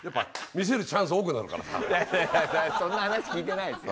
そんな話聞いてないですよ。